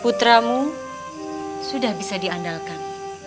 putramu sudah bisa diandalkan